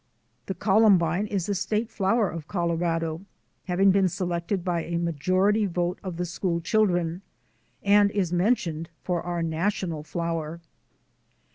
The columbine is the state flower of Colorado, having been selected by a majority vote of the school children, and is mentioned for our national flower.